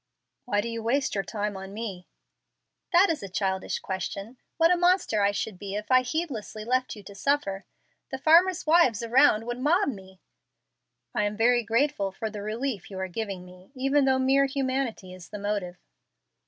"Why do you waste your time on me?" "That is a childish question. What a monster I should be if I heedlessly left you to suffer! The farmers' wives around would mob me." "I am very grateful for the relief you are giving me, even though mere humanity is the motive."